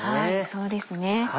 そうですね。